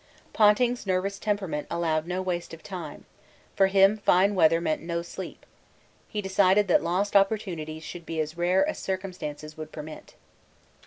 Ponting's nervous temperament allowed no waste of time for him fine weather meant no sleep; he decided that lost opportunities should be as rare as circumstances would permit.